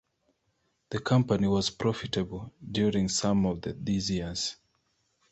The company was profitable during some of these years.